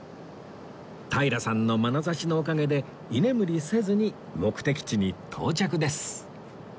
平さんのまなざしのおかげで居眠りせずに目的地に到着です